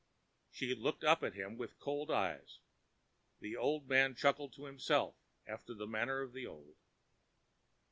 She looked up at him with cold eyes. The old man chuckled to himself after the manner of the old.